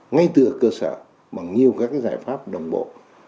ngay từ cơ sở bằng nhiều các giải pháp đồng bộ